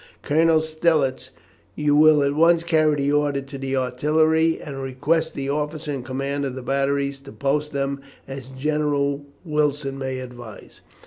Colonel Stellitz, you will at once carry the order to the artillery, and request the officer in command of the batteries to post them as General Wilson may advise."